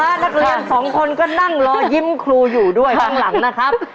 นักเรียนสองคนก็นั่งรอยิ้มครูอยู่ด้วยข้างหลังนะครับ